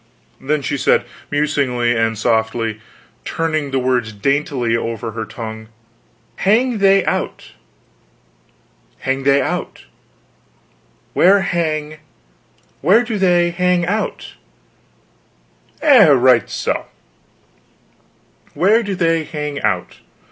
Then she said musingly, and softly, turning the words daintily over her tongue: "Hang they out hang they out where hang where do they hang out; eh, right so; where do they hang out.